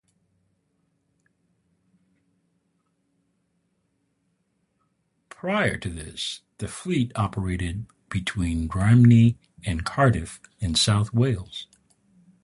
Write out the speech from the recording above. Prior to this, the fleet operated between Rhymney and Cardiff in South Wales.